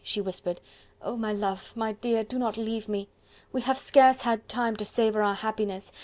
she whispered. "Oh! my love, my dear! do not leave me!... we have scarce had time to savour our happiness..